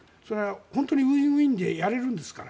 本当にウィンウィンでやれるんですから。